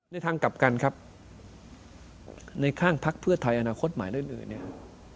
ในทางกลับกันครับในข้างพรรคเพื่อไทยอนาคตหมายเรื่องอื่นนี้ครับ